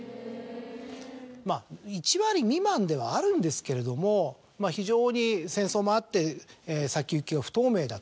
まぁ１割未満ではあるんですけれども非常に戦争もあって先行きは不透明だと。